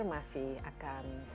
masih akan berbicara